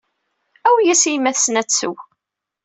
Awi-yas i yemma-tsen ad tsew.